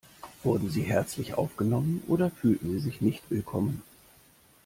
Wurden Sie herzlich aufgenommen oder fühlten Sie sich nicht willkommen?